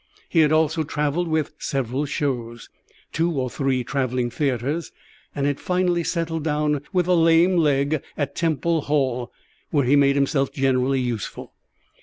He had also travelled with several "shows," two or three travelling theatres, and had finally settled down with a lame leg at Temple Hall, where he made himself generally useful.